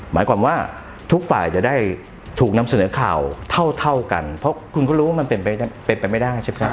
หมายความว่าทุกฝ่ายจะได้ถูกนำเสนอข่าวเท่ากันเพราะคุณก็รู้ว่ามันเป็นไปไม่ได้ใช่ไหม